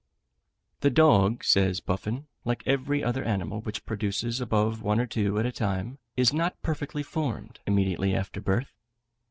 The dog, says Buffon, like every other animal which produces above one or two at a time, is not perfectly formed immediately after birth.